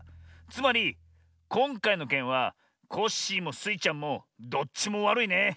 つまりこんかいのけんはコッシーもスイちゃんもどっちもわるいね。